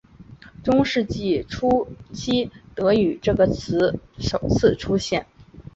中世纪初期德语这个词首次出现。